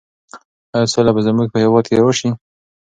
ایا سوله به زموږ په هېواد کې راسي؟